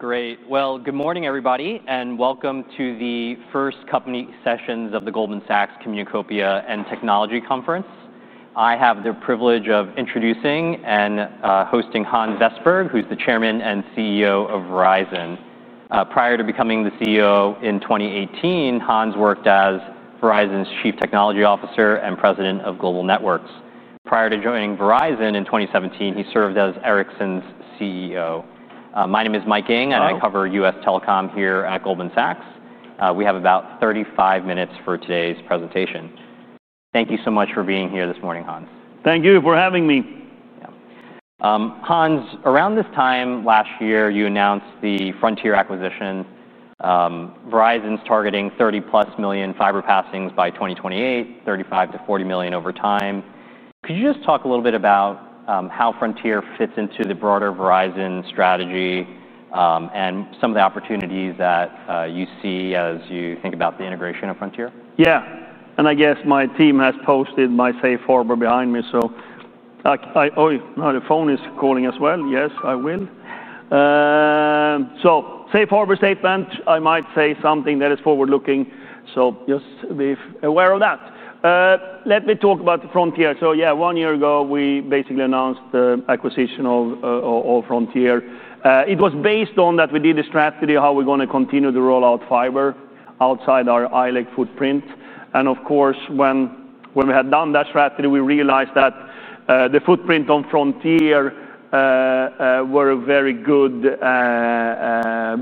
Great. Good morning, everybody, and welcome to the first company sessions of the Goldman Sachs Communicopia and Technology Conference. I have the privilege of introducing and hosting Hans Vestberg, who's the Chairman and CEO of Verizon. Prior to becoming the CEO in 2018, Hans worked as Verizon's Chief Technology Officer and President of Global Networks. Prior to joining Verizon in 2017, he served as Ericsson's CEO. My name is Mike Ng, and I cover U.S. telecom here at Goldman Sachs. We have about 35 minutes for today's presentation. Thank you so much for being here this morning, Hans. Thank you for having me. Hans, around this time last year, you announced the Frontier acquisition. Verizon's targeting 30+ million fiber passings by 2028, 35 to 40 million over time. Could you just talk a little bit about how Frontier fits into the broader Verizon strategy and some of the opportunities that you see as you think about the integration of Frontier? Yeah. I guess my team has posted my safe harbor behind me. Oh, the phone is calling as well. Yes, I will. Safe harbor statement. I might say something that is forward-looking, so just be aware of that. Let me talk about Frontier. One year ago, we basically announced the acquisition of Frontier. It was based on that we did a strategy of how we're going to continue to roll out fiber outside our ILEC footprint. Of course, when we had done that strategy, we realized that the footprint on Frontier was a very good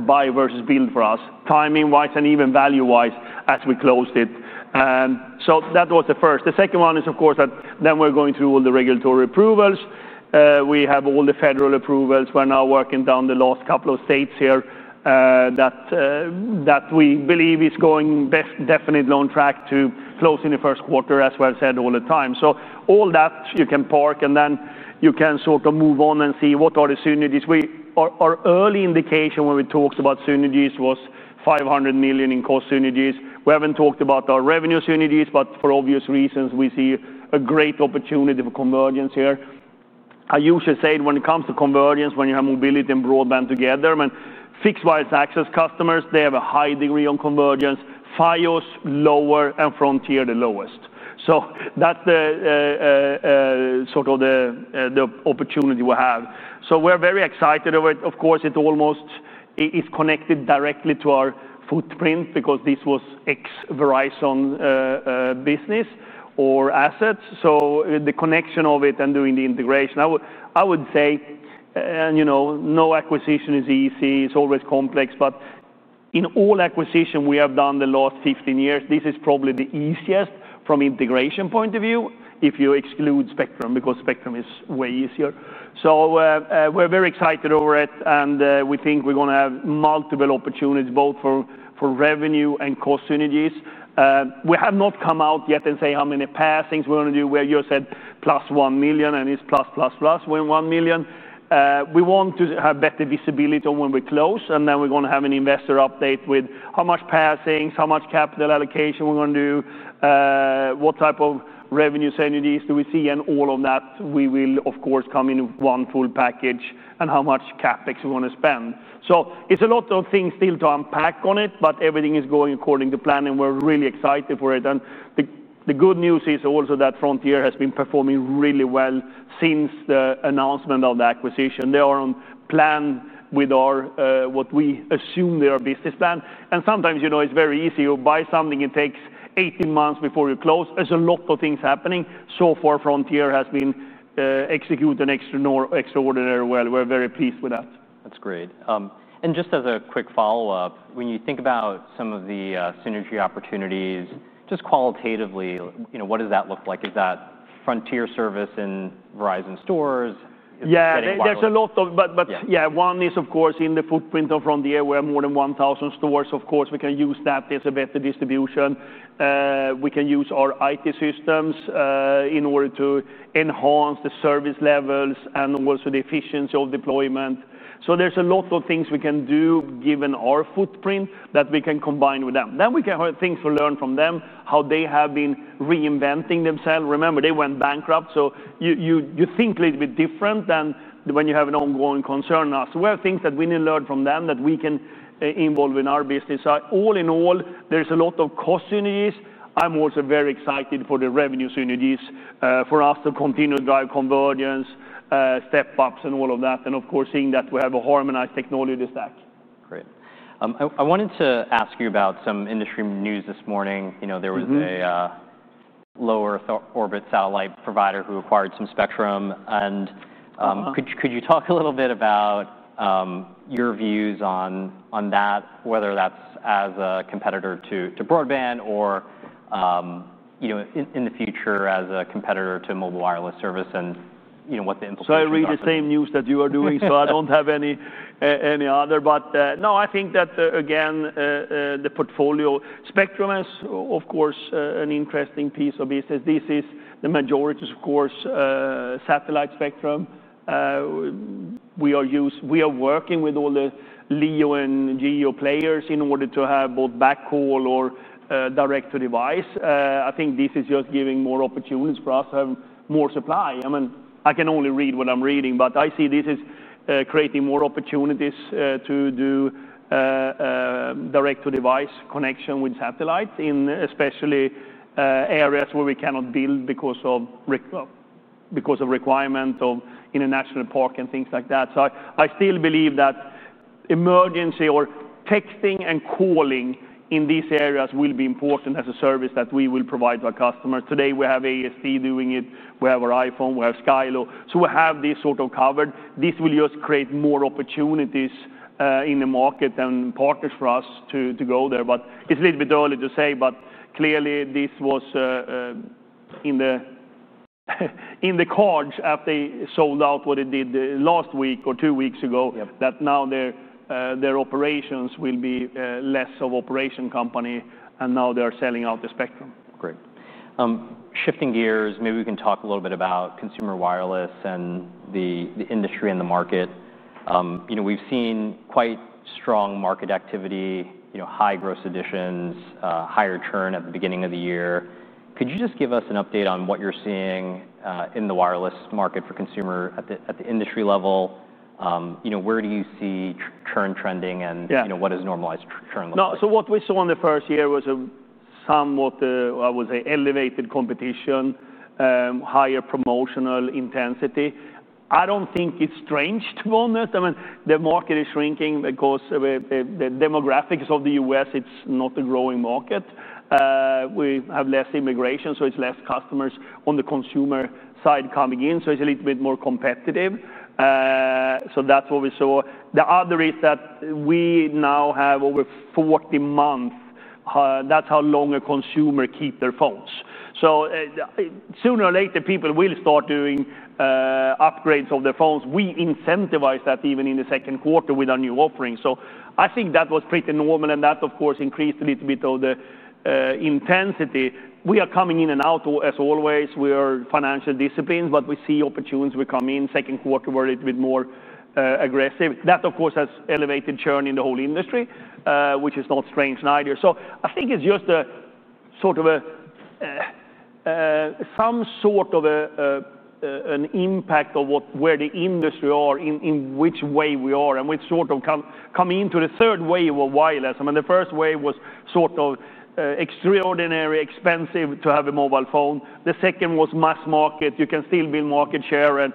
buy versus build for us, timing-wise and even value-wise as we closed it. That was the first. The second one is, of course, that we're going through all the regulatory approvals. We have all the federal approvals. We're now working down the last couple of states here that we believe is going best, definitely on track to close in the first quarter, as we've said all the time. All that you can park, and then you can sort of move on and see what are the synergies. Our early indication when we talked about synergies was $500 million in cost synergies. We haven't talked about our revenue synergies, but for obvious reasons, we see a great opportunity for convergence here. I usually say when it comes to convergence, when you have mobility and broadband together, when fixed wireless access customers, they have a high degree on convergence, FiOS lower, and Frontier the lowest. That's sort of the opportunity we have. We're very excited over it. It almost is connected directly to our footprint because this was ex-Verizon business or assets. The connection of it and doing the integration, I would say, and you know no acquisition is easy. It's always complex. In all acquisitions we have done the last 15 years, this is probably the easiest from an integration point of view if you exclude Spectrum because Spectrum is way easier. We're very excited over it, and we think we're going to have multiple opportunities both for revenue and cost synergies. We have not come out yet and say how many passings we're going to do. We just said plus 1 million and it's plus, plus, plus when 1 million. We want to have better visibility on when we close, and then we're going to have an investor update with how much passings, how much capital allocation we're going to do, what type of revenue synergies do we see, and all of that. We will, of course, come in one full package and how much CapEx we're going to spend. There are a lot of things still to unpack on it, but everything is going according to plan, and we're really excited for it. The good news is also that Frontier has been performing really well since the announcement of the acquisition. They are on plan with our, what we assume, their business plan. Sometimes, you know, it's very easy. You buy something, it takes 18 months before you close. There's a lot of things happening. So far, Frontier has been executed extraordinarily well. We're very pleased with that. That's great. Just as a quick follow-up, when you think about some of the synergy opportunities, just qualitatively, what does that look like? Is that Frontier service in Verizon stores? Yeah, there's a lot, but yeah, one is, of course, in the footprint of Frontier. We have more than 1,000 stores. Of course, we can use that. There's a better distribution. We can use our IT systems in order to enhance the service levels and also the efficiency of deployment. There's a lot of things we can do given our footprint that we can combine with them. We can have things to learn from them, how they have been reinventing themselves. Remember, they went bankrupt. You think a little bit different than when you have an ongoing concern. We have things that we need to learn from them that we can involve in our business. All in all, there's a lot of cost synergies. I'm also very excited for the revenue synergies for us to continue to drive convergence, step-ups, and all of that. Of course, seeing that we have a harmonized technology stack. Great. I wanted to ask you about some industry news this morning. There was a lower-orbit satellite provider who acquired some spectrum. Could you talk a little bit about your views on that, whether that's as a competitor to broadband or in the future as a competitor to mobile wireless service, and what the implications are. I read the same news that you are doing, so I don't have any other. I think that, again, the portfolio Spectrum is, of course, an interesting piece of business. This is the majority of, of course, satellite Spectrum. We are working with all the LEO and GEO players in order to have both backhaul or direct-to-device. I think this is just giving more opportunities for us to have more supply. I can only read what I'm reading, but I see this is creating more opportunities to do direct-to-device connection with satellites in especially areas where we cannot build because of requirements of international park and things like that. I still believe that emergency or texting and calling in these areas will be important as a service that we will provide to our customers. Today, we have AST doing it. We have our iPhone. We have Skylo. We have this sort of covered. This will just create more opportunities in the market and partners for us to go there. It's a little bit early to say, but clearly, this was in the cards after they sold out what they did last week or two weeks ago that now their operations will be less of an operation company, and now they're selling out the Spectrum. Great. Shifting gears, maybe we can talk a little bit about consumer wireless and the industry and the market. We've seen quite strong market activity, high gross additions, higher churn at the beginning of the year. Could you just give us an update on what you're seeing in the wireless market for consumer at the industry level? Where do you see churn trending and what does normalized churn look like? What we saw in the first year was somewhat, I would say, elevated competition, higher promotional intensity. I don't think it's strange, to be honest. The market is shrinking because the demographics of the U.S., it's not a growing market. We have less immigration, so it's less customers on the consumer side coming in. It's a little bit more competitive. That's what we saw. The other is that we now have over 40 months. That's how long a consumer keeps their phones. So sooner or later, people will start doing upgrades of their phones. We incentivize that even in the second quarter with our new offerings. I think that was pretty normal, and that, of course, increased a little bit of the intensity. We are coming in and out, as always. We are financial disciplines, but we see opportunities. We come in second quarter, were a little bit more aggressive. That, of course, has elevated churn in the whole industry, which is not strange neither. I think it's just a sort of some sort of an impact of where the industry are, in which way we are, and we sort of come into the third wave of wireless. The first wave was sort of extraordinarily expensive to have a mobile phone. The second was mass market. You can still build market share and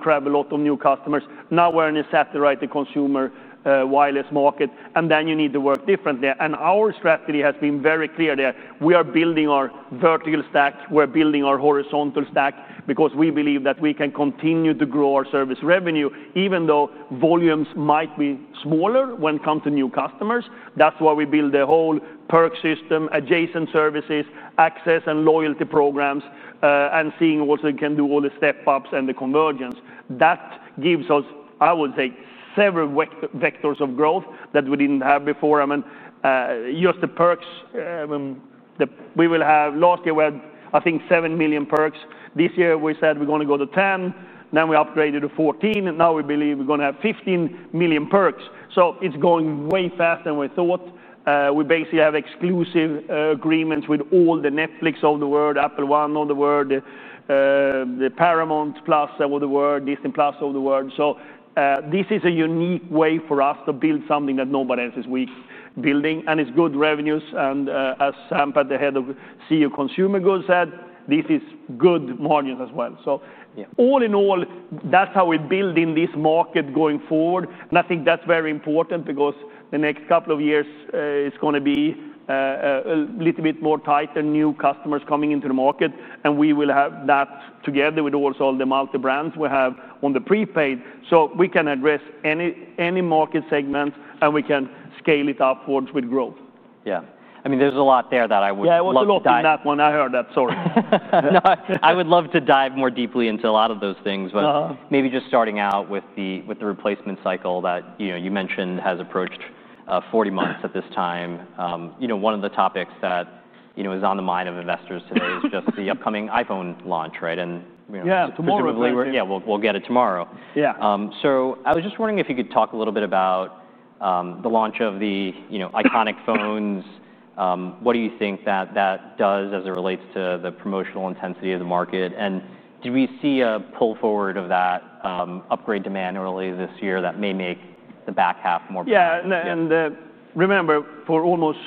grab a lot of new customers. Now we're in a satellite to consumer wireless market, and then you need to work differently. Our strategy has been very clear there. We are building our vertical stack. We're building our horizontal stack because we believe that we can continue to grow our service revenue, even though volumes might be smaller when it comes to new customers. That's why we build the whole perks platform, adjacent services, access, and loyalty programs, and seeing also we can do all the step-ups and the convergence. That gives us, I would say, several vectors of growth that we didn't have before. Just the perks. Last year, we had, I think, 7 million perks. This year, we said we're going to go to 10. Then we upgraded to 14, and now we believe we're going to have 15 million perks. It's going way faster than we thought. We basically have exclusive agreements with all the Netflix of the world, Apple One of the world, the Paramount Plus of the world, Disney Plus of the world. This is a unique way for us to build something that nobody else is building. It's good revenues. As Sowmyanarayan Sampath, the Head of CEO Consumer Goods, said, this is good margins as well. All in all, that's how we build in this market going forward. I think that's very important because the next couple of years is going to be a little bit more tighter, new customers coming into the market. We will have that together with also all the multi-brands we have on the prepaid, so we can address any market segments, and we can scale it upwards with growth. Yeah, I mean, there's a lot there that I would love to. Yeah, it was a lot in that one. I heard that. Sorry. No, I would love to dive more deeply into a lot of those things, but maybe just starting out with the replacement cycle that you mentioned has approached 40 months at this time. One of the topics that is on the mind of investors today is the upcoming Apple iPhone launch, right? Yeah, tomorrow. will get it tomorrow. Yeah. I was just wondering if you could talk a little bit about the launch of the iconic phones. What do you think that does as it relates to the promotional intensity of the market? Do we see a pull forward of that upgrade demand early this year that may make the back half more? Yeah. Remember, for almost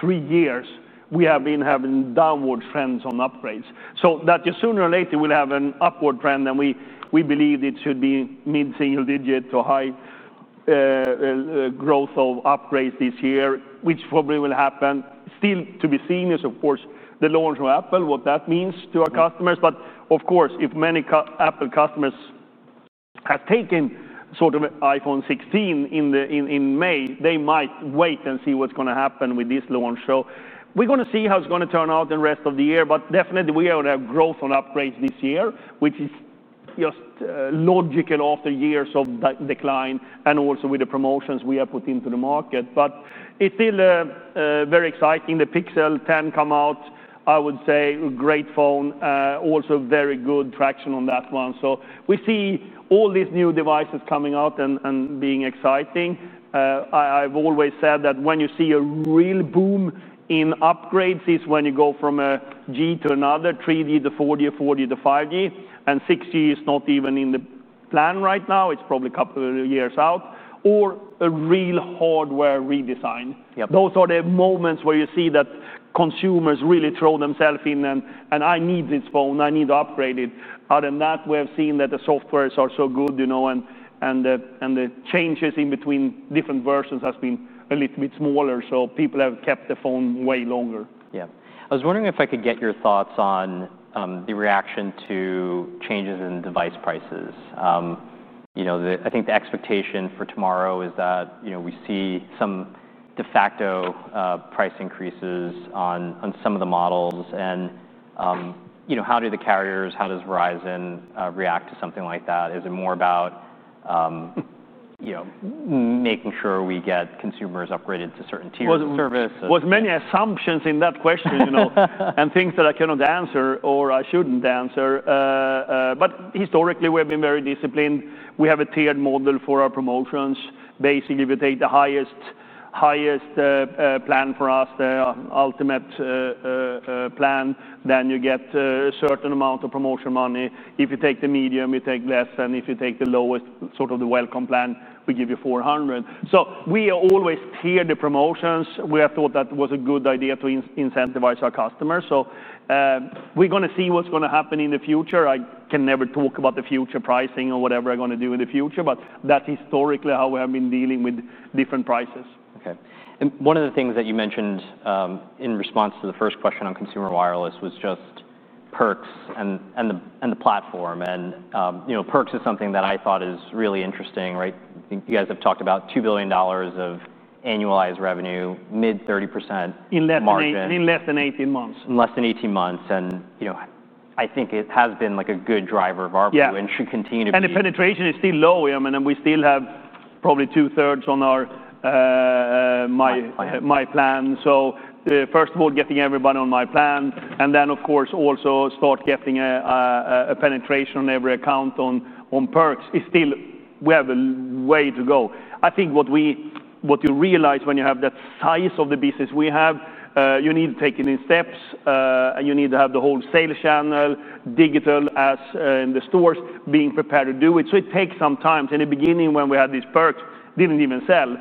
three years, we have been having downward trends on upgrades. That you sooner or later will have an upward trend. We believe it should be mid-single digit to high growth of upgrades this year, which probably will happen. Still to be seen is, of course, the launch of Apple, what that means to our customers. If many Apple customers have taken sort of iPhone 16 in May, they might wait and see what's going to happen with this launch. We are going to see how it's going to turn out in the rest of the year. Definitely, we are going to have growth on upgrades this year, which is just logical after years of decline and also with the promotions we have put into the market. It's still very exciting. The Google Pixel 10 come out, I would say, a great phone. Also, very good traction on that one. We see all these new devices coming out and being exciting. I've always said that when you see a real boom in upgrades is when you go from a G to another, 3G to 4G, 4G to 5G. 6G is not even in the plan right now. It's probably a couple of years out. Or a real hardware redesign. Those are the moments where you see that consumers really throw themselves in and, "I need this phone. I need to upgrade it." Other than that, we have seen that the softwares are so good, you know, and the changes in between different versions have been a little bit smaller. People have kept the phone way longer. Yeah. I was wondering if I could get your thoughts on the reaction to changes in device prices. I think the expectation for tomorrow is that we see some de facto price increases on some of the models. How do the carriers, how does Verizon react to something like that? Is it more about making sure we get consumers upgraded to certain tiers of service? There were many assumptions in that question, you know, and things that I cannot answer or I shouldn't answer. Historically, we have been very disciplined. We have a tiered model for our promotions. Basically, if you take the highest plan for us, the ultimate plan, then you get a certain amount of promotional money. If you take the medium, you take less. If you take the lowest, sort of the welcome plan, we give you $400. We always tier the promotions. We have thought that was a good idea to incentivize our customers. We are going to see what is going to happen in the future. I can never talk about the future pricing or whatever I am going to do in the future. That is historically how we have been dealing with different prices. OK. One of the things that you mentioned in response to the first question on consumer wireless was just perks and the platform. Perks is something that I thought is really interesting, right? I think you guys have talked about $2 billion of annualized revenue, mid-30% margin. In less than 18 months. In less than 18 months, I think it has been a good driver of our view and should continue to be. The penetration is still low. We still have probably 2/3 on my plan. First of all, getting everybody on my plan, and then also starting to get a penetration on every account on perks. We have a way to go. I think what you realize when you have that size of the business we have, you need to take it in steps. You need to have the whole sales channel, digital as in the stores, being prepared to do it. It takes some time. In the beginning, when we had these perks, it didn't even sell.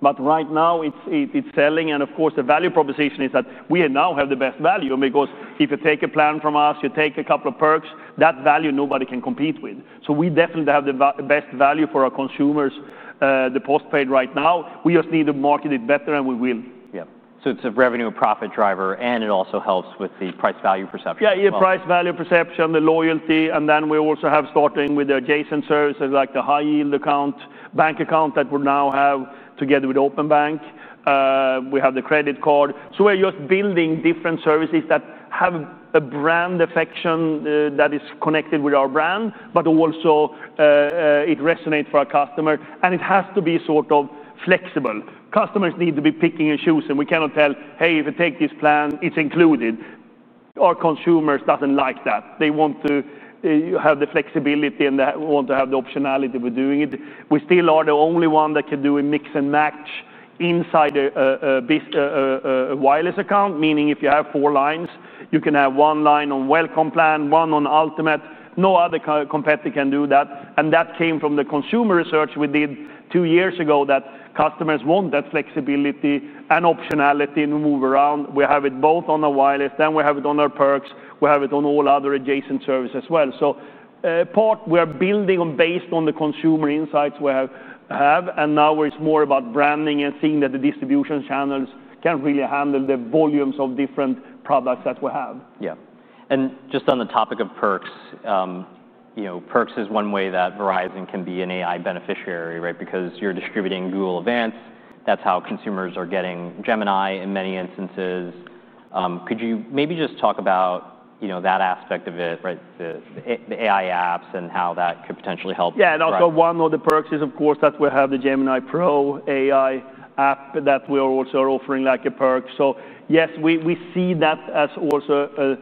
Right now, it's selling. The value proposition is that we now have the best value because if you take a plan from us, you take a couple of perks, that value nobody can compete with. We definitely have the best value for our consumers, the postpaid right now. We just need to market it better, and we will. Yeah. It's a revenue profit driver, and it also helps with the price value perception. Yeah, your price value perception, the loyalty. We also have, starting with the adjacent services, like the high yield account, bank account that we now have together with Open Bank. We have the credit card. We're just building different services that have a brand affection that is connected with our brand, but also it resonates for our customer. It has to be sort of flexible. Customers need to be picking and choosing. We cannot tell, hey, if you take this plan, it's included. Our consumers don't like that. They want to have the flexibility, and they want to have the optionality of doing it. We still are the only one that can do a mix and match inside a wireless account, meaning if you have four lines, you can have one line on welcome plan, one on ultimate. No other competitor can do that. That came from the consumer research we did two years ago that customers want that flexibility and optionality to move around. We have it both on our wireless, then we have it on our perks. We have it on all other adjacent services as well. Part we are building based on the consumer insights we have. Now it's more about branding and seeing that the distribution channels can really handle the volumes of different products that we have. Yeah. Just on the topic of perks, perks is one way that Verizon can be an AI beneficiary, right? Because you're distributing Google Events. That's how consumers are getting Gemini in many instances. Could you maybe just talk about that aspect of it, right? The AI apps and how that could potentially help? Yeah. Also, one of the perks is, of course, that we have the Gemini Pro AI app that we are also offering like a perk. Yes, we see that as also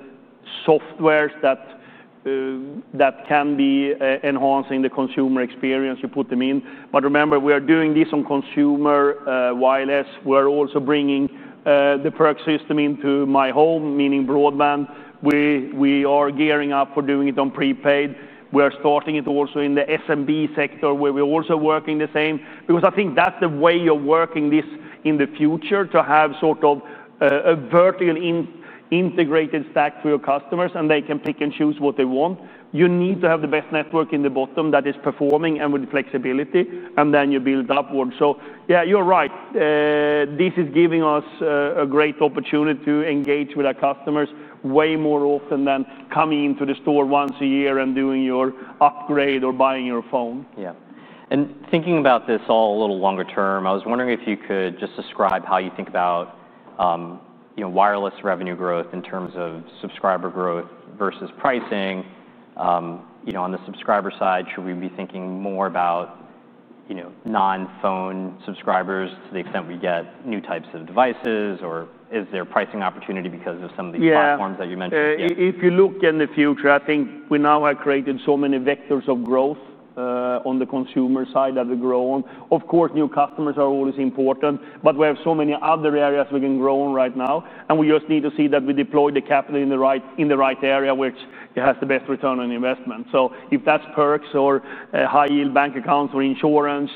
softwares that can be enhancing the consumer experience you put them in. Remember, we are doing this on consumer wireless. We're also bringing the perks platform into my home, meaning broadband. We are gearing up for doing it on prepaid. We are starting it also in the SMB sector where we're also working the same. I think that's the way of working this in the future to have sort of a vertical integrated stack for your customers, and they can pick and choose what they want. You need to have the best network in the bottom that is performing and with the flexibility, and then you build upwards. Yeah, you're right. This is giving us a great opportunity to engage with our customers way more often than coming into the store once a year and doing your upgrade or buying your phone. Yeah. Thinking about this all a little longer term, I was wondering if you could just describe how you think about wireless revenue growth in terms of subscriber growth versus pricing. On the subscriber side, should we be thinking more about non-phone subscribers to the extent we get new types of devices? Is there a pricing opportunity because of some of these platforms that you mentioned? If you look in the future, I think we now have created so many vectors of growth on the consumer side that we grow on. Of course, new customers are always important, but we have so many other areas we can grow on right now. We just need to see that we deploy the capital in the right area, which has the best return on investment. If that's perks or high yield bank accounts or insurance,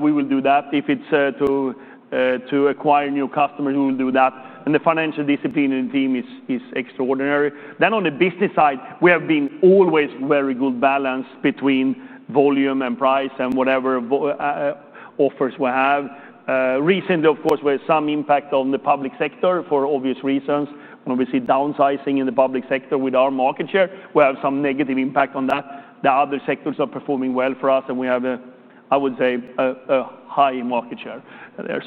we will do that. If it's to acquire new customers, we will do that. The financial discipline in the team is extraordinary. On the business side, we have been always a very good balance between volume and price and whatever offers we have. Recently, we had some impact on the public sector for obvious reasons. When we see downsizing in the public sector with our market share, we have some negative impact on that. The other sectors are performing well for us, and we have, I would say, a high market share there.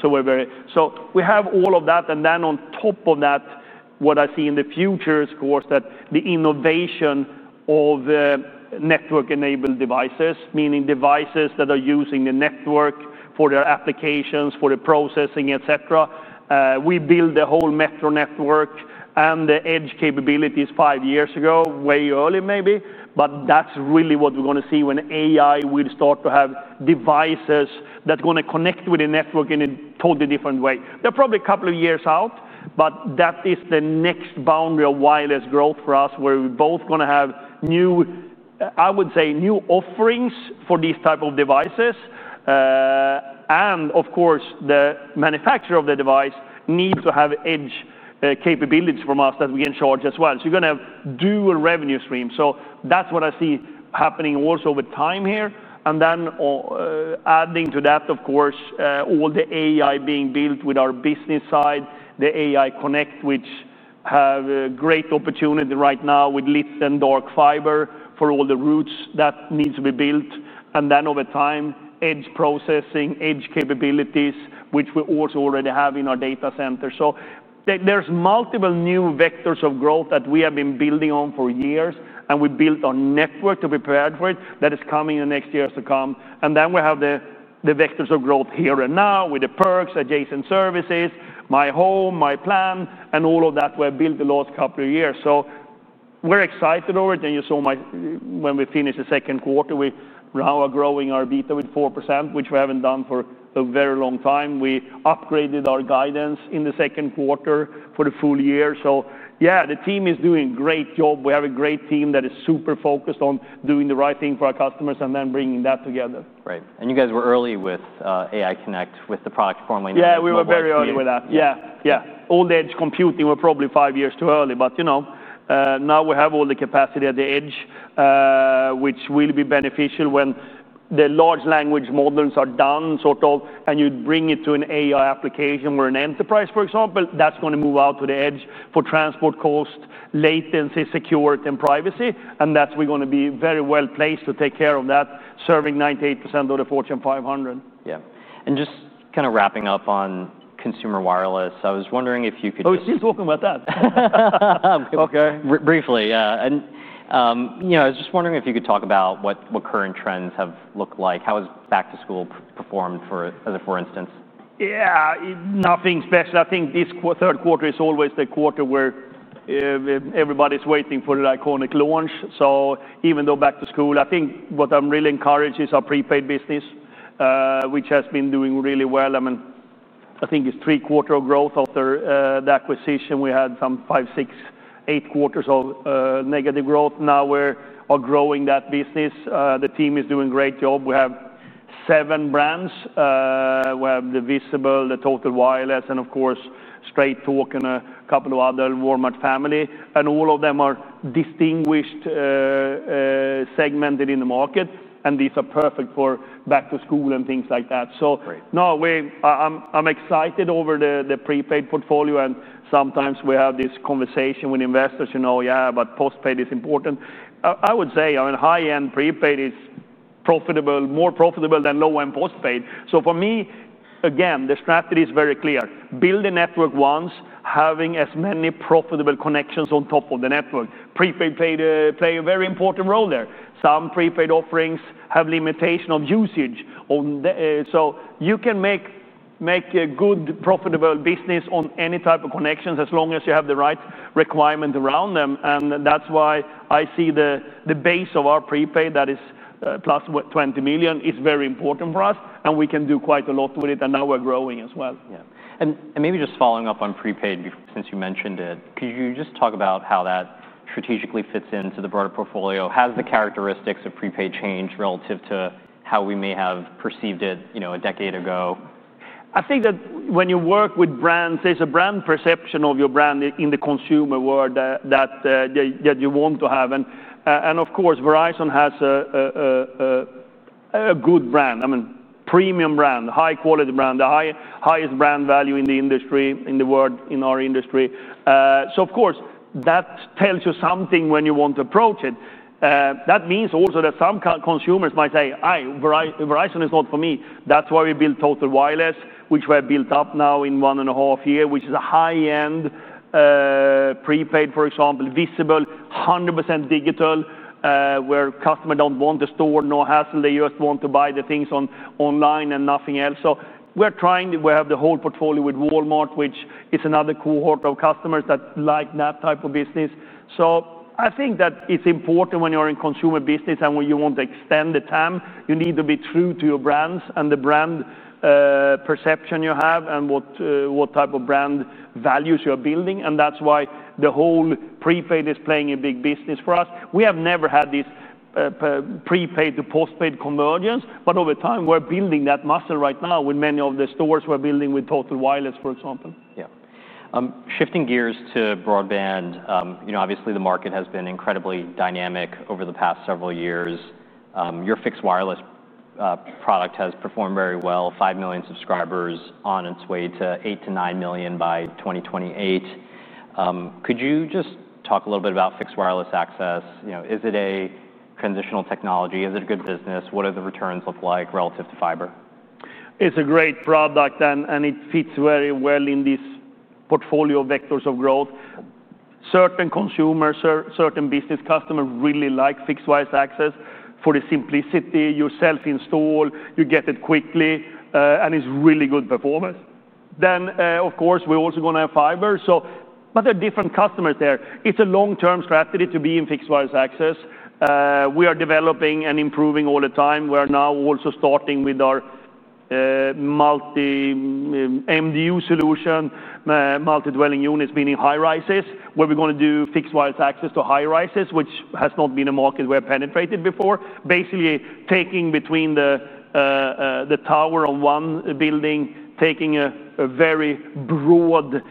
We have all of that. What I see in the future is that the innovation of network-enabled devices, meaning devices that are using the network for their applications, for the processing, et cetera. We built the whole Metro network and the edge capabilities five years ago, way early maybe. That's really what we're going to see when AI will start to have devices that are going to connect with the network in a totally different way. They're probably a couple of years out, but that is the next boundary of wireless growth for us where we're both going to have new, I would say, new offerings for these types of devices. The manufacturer of the device needs to have edge capabilities from us that we can charge as well. You're going to have dual revenue streams. That's what I see happening also with time here. Adding to that, all the AI being built with our business side, the AI Connect, which have a great opportunity right now with Lithium and Dark Fiber for all the routes that need to be built. Over time, edge processing, edge capabilities, which we also already have in our data center. There are multiple new vectors of growth that we have been building on for years. We built our network to be prepared for it that is coming in the next years to come. We have the vectors of growth here and now with the perks, adjacent services, my home, my plan, and all of that we have built the last couple of years. We're excited over it. You saw when we finished the second quarter, we now are growing our EBITDA with 4%, which we haven't done for a very long time. We upgraded our guidance in the second quarter for the full year. The team is doing a great job. We have a great team that is super focused on doing the right thing for our customers and then bringing that together. Right. You guys were early with AI-enabled services with the product forming. Yeah, we were very early with that. On the edge computing, we're probably five years too early. You know, now we have all the capacity at the edge, which will be beneficial when the large language models are done, sort of, and you bring it to an AI application or an enterprise, for example, that's going to move out to the edge for transport cost, latency, security, and privacy. That's where we're going to be very well placed to take care of that, serving 98% of the Fortune 500. Yeah, just kind of wrapping up on consumer wireless, I was wondering if you could. Oh, we're still talking about that. OK. Briefly, yeah. I was just wondering if you could talk about what current trends have looked like. How has Back to School performed for, as a for instance? Yeah, nothing special. I think this third quarter is always the quarter where everybody's waiting for the iconic launch. Even though Back to School, I think what I'm really encouraged is our prepaid business, which has been doing really well. I mean, I think it's three quarters of growth after the acquisition. We had some five, six, eight quarters of negative growth. Now we are growing that business. The team is doing a great job. We have seven brands. We have Visible, Total Wireless, and of course, Straight Talk and a couple of others, Walmart Family. All of them are distinguished, segmented in the market. These are perfect for Back to School and things like that. I'm excited over the prepaid portfolio. Sometimes we have this conversation with investors, you know, yeah, but postpaid is important. I would say, I mean, high-end prepaid is more profitable than low-end postpaid. For me, again, the strategy is very clear. Build a network once, having as many profitable connections on top of the network. Prepaid plays a very important role there. Some prepaid offerings have limitations of usage. You can make a good, profitable business on any type of connections as long as you have the right requirements around them. That's why I see the base of our prepaid that is plus 20 million is very important for us. We can do quite a lot with it. Now we're growing as well. Maybe just following up on prepaid since you mentioned it, could you talk about how that strategically fits into the broader portfolio? Has the characteristics of prepaid changed relative to how we may have perceived it a decade ago? I think that when you work with brands, it's a brand perception of your brand in the consumer world that you want to have. Of course, Verizon has a good brand. I mean, premium brand, high-quality brand, the highest brand value in the industry, in our industry. That tells you something when you want to approach it. That means also that some consumers might say, Verizon is not for me. That's why we built Total Wireless, which we have built up now in one and a half years, which is a high-end prepaid, for example, Visible, 100% digital, where customers don't want a store, no hassle. They just want to buy the things online and nothing else. We're trying to have the whole portfolio with Walmart, which is another cohort of customers that like that type of business. I think that it's important when you're in consumer business and when you want to extend the time, you need to be true to your brands and the brand perception you have and what type of brand values you are building. That's why the whole prepaid is playing a big business for us. We have never had this prepaid to postpaid convergence. Over time, we're building that muscle right now with many of the stores we're building with Total Wireless, for example. Yeah. Shifting gears to broadband, obviously, the market has been incredibly dynamic over the past several years. Your fixed wireless product has performed very well, 5 million subscribers on its way to 8 to 9 million by 2028. Could you just talk a little bit about fixed wireless access? Is it a transitional technology? Is it a good business? What do the returns look like relative to fiber? It's a great product, and it fits very well in this portfolio of vectors of growth. Certain consumers, certain business customers really like fixed wireless access for the simplicity. You self-install, you get it quickly, and it's really good performance. Of course, we're also going to have fiber. There are different customers there. It's a long-term strategy to be in fixed wireless access. We are developing and improving all the time. We are now also starting with our multi-MDU solution, multi-dwelling units being in high rises, where we're going to do fixed wireless access to high rises, which has not been a market we have penetrated before. Basically, taking between the tower on one building, taking a very broad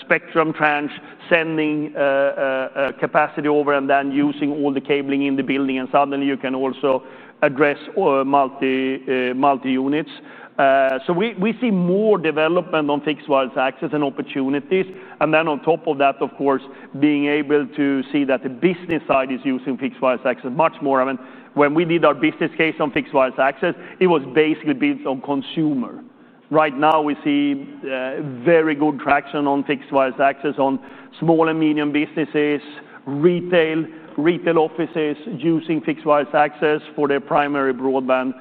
spectrum tranche, sending capacity over, and then using all the cabling in the building. Suddenly, you can also address multi-units. We see more development on fixed wireless access and opportunities. On top of that, of course, being able to see that the business side is using fixed wireless access much more. I mean, when we did our business case on fixed wireless access, it was basically built on consumer. Right now, we see very good traction on fixed wireless access on small and medium businesses, retail offices using fixed wireless access for their primary broadband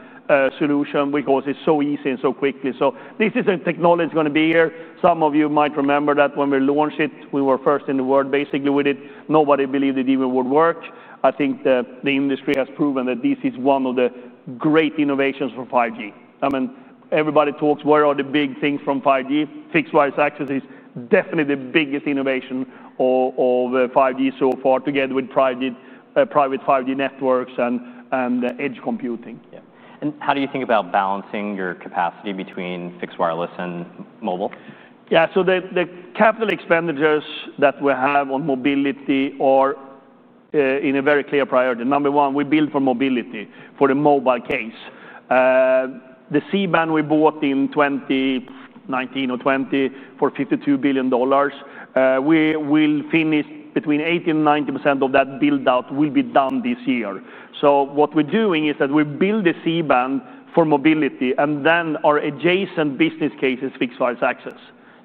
solution because it's so easy and so quickly. This is a technology that's going to be here. Some of you might remember that when we launched it, we were first in the world, basically, with it. Nobody believed it even would work. I think the industry has proven that this is one of the great innovations for 5G. Everybody talks, where are the big things from 5G? Fixed wireless access is definitely the biggest innovation of 5G so far together with private 5G networks and edge computing. How do you think about balancing your capacity between fixed wireless and mobile? Yeah. The capital expenditures that we have on mobility are in a very clear priority. Number one, we build for mobility, for the mobile case. The C-band we bought in 2019 or 2020 for $52 billion. We will finish between 80% and 90% of that build-out this year. What we're doing is that we build a C-band for mobility, and then our adjacent business case is fixed wireless access.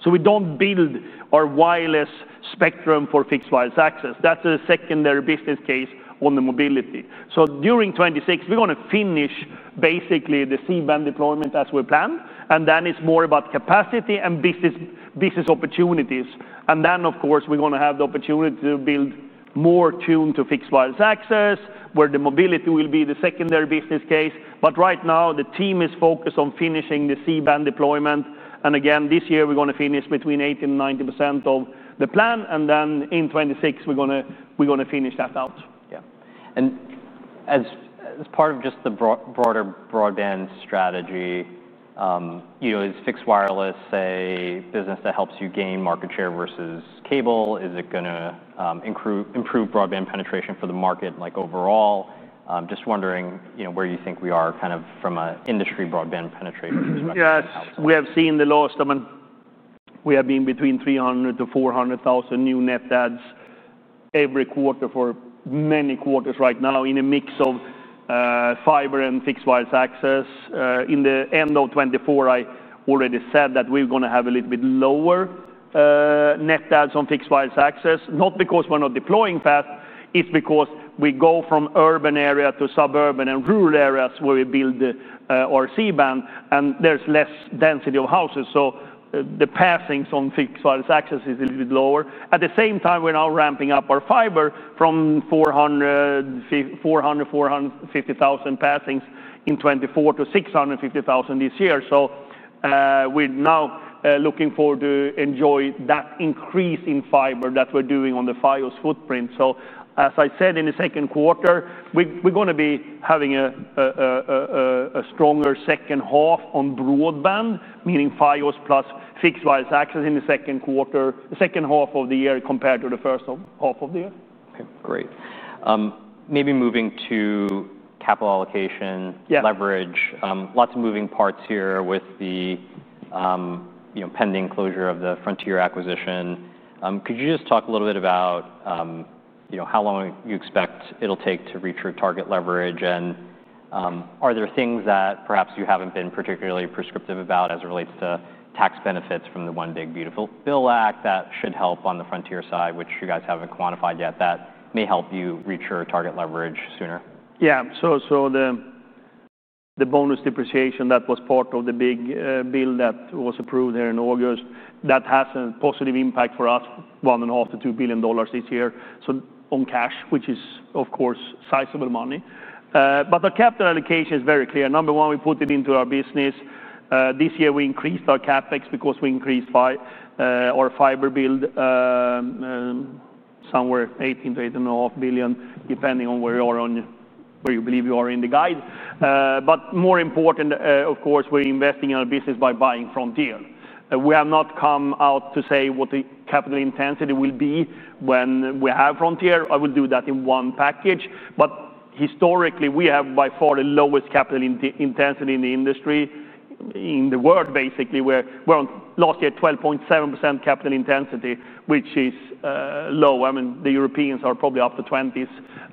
We don't build our wireless spectrum for fixed wireless access. That's a secondary business case on the mobility. During 2026, we're going to finish basically the C-band deployment as we planned. Then it's more about capacity and business opportunities. Of course, we're going to have the opportunity to build more tuned to fixed wireless access where the mobility will be the secondary business case. Right now, the team is focused on finishing the C-band deployment. Again, this year, we're going to finish between 80% and 90% of the plan. In 2026, we're going to finish that out. As part of just the broader broadband strategy, is fixed wireless a business that helps you gain market share versus cable? Is it going to improve broadband penetration for the market overall? Just wondering where you think we are kind of from an industry broadband penetration. Yes. We have seen the last, I mean, we have been between 300,000 to 400,000 new net ads every quarter for many quarters right now in a mix of fiber and fixed wireless access. In the end of 2024, I already said that we're going to have a little bit lower net ads on fixed wireless access, not because we're not deploying fast. It's because we go from urban areas to suburban and rural areas where we build our C-band, and there's less density of houses. The passings on fixed wireless access is a little bit lower. At the same time, we're now ramping up our fiber from 400,000 to 450,000 passings in 2024 to 650,000 this year. We're now looking forward to enjoying that increase in fiber that we're doing on the FiOS footprint. As I said in the second quarter, we're going to be having a stronger second half on broadband, meaning FiOS plus fixed wireless access in the second quarter, the second half of the year compared to the first half of the year. OK, great. Maybe moving to capital allocation, leverage, lots of moving parts here with the pending closure of the Frontier acquisition. Could you just talk a little bit about how long you expect it'll take to reach your target leverage? Are there things that perhaps you haven't been particularly prescriptive about as it relates to tax benefits from the One Big Beautiful Bill Act that should help on the Frontier side, which you guys haven't quantified yet, that may help you reach your target leverage sooner? Yeah. The bonus depreciation that was part of the big bill that was approved here in August has a positive impact for us, $1.5 to $2 billion this year. On cash, which is, of course, sizable money. The capital allocation is very clear. Number one, we put it into our business. This year, we increased our CapEx because we increased our fiber build somewhere $8 to $8.5 billion, depending on where you are on where you believe you are in the guide. More important, of course, we're investing in our business by buying Frontier. We have not come out to say what the capital intensity will be when we have Frontier. I will do that in one package. Historically, we have by far the lowest capital intensity in the industry, in the world, basically. Last year, we were at 12.7% capital intensity, which is low. The Europeans are probably up to 20%,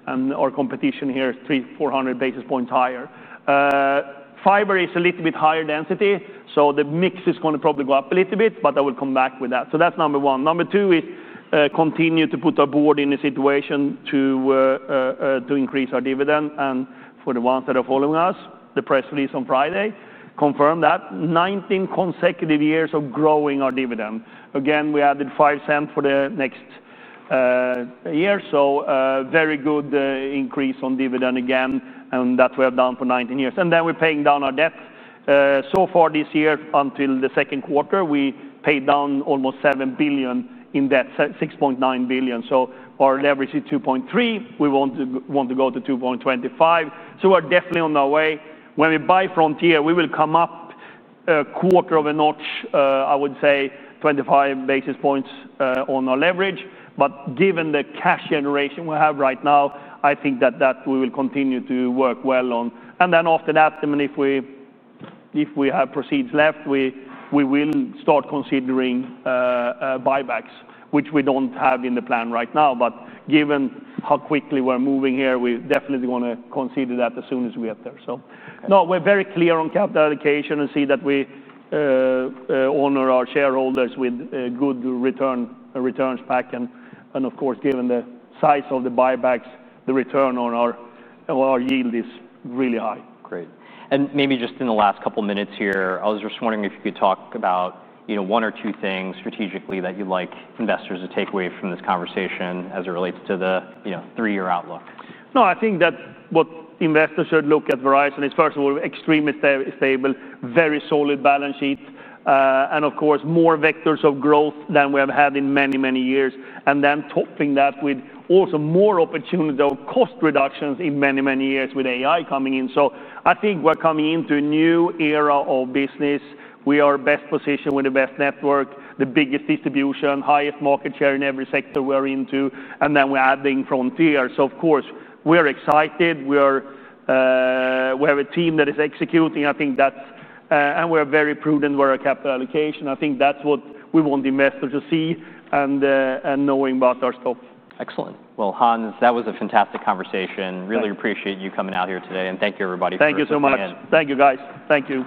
and our competition here is 300, 400 basis points higher. Fiber is a little bit higher density. The mix is going to probably go up a little bit, but I will come back with that. Number two is continue to put our board in a situation to increase our dividend. For the ones that are following us, the press release on Friday confirmed that 19 consecutive years of growing our dividend. Again, we added $0.05 for the next year. A very good increase on dividend again, and that's what we have done for 19 years. We're paying down our debts. So far this year, until the second quarter, we paid down almost $7 billion in debt, $6.9 billion. Our leverage is 2.3%. We want to go to 2.25%. We're definitely on our way. When we buy Frontier, we will come up a quarter of an inch, I would say 25 basis points on our leverage. Given the cash generation we have right now, I think that we will continue to work well on that. After that, if we have proceeds left, we will start considering buybacks, which we don't have in the plan right now. Given how quickly we're moving here, we definitely want to consider that as soon as we get there. We're very clear on capital allocation and see that we honor our shareholders with a good returns pack. Of course, given the size of the buybacks, the return on our yield is really high. Great. In the last couple of minutes here, I was just wondering if you could talk about one or two things strategically that you'd like investors to take away from this conversation as it relates to the three-year outlook. No, I think that what investors should look at Verizon is, first of all, extremely stable, very solid balance sheets, and of course, more vectors of growth than we have had in many, many years. Topping that with also more opportunities for cost reductions in many, many years with AI coming in, I think we're coming into a new era of business. We are best positioned with the best network, the biggest distribution, highest market share in every sector we're into. We're adding Frontier, so of course, we're excited. We're a team that is executing. I think that's, and we're very prudent with our capital allocation. I think that's what we want investors to see and knowing about our stock. Excellent. Hans, that was a fantastic conversation. Really appreciate you coming out here today. Thank you, everybody, for coming in. Thank you so much. Thank you, guys. Thank you.